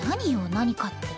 何かって。